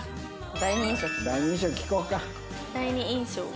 「第二印象」